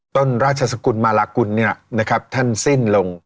ต้นราชสกุลมาลากุลเนี่ยนะครับท่านสิ้นลง